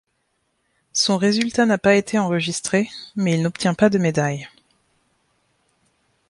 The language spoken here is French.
Son résultat n'a pas été enregistré, mais il n'obtient pas de médaille.